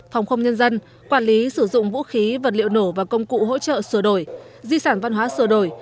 phòng không nhân dân quản lý sử dụng vũ khí vật liệu nổ và công cụ hỗ trợ sửa đổi di sản văn hóa sửa đổi